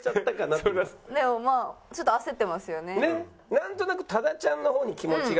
なんとなく多田ちゃんの方に気持ちが。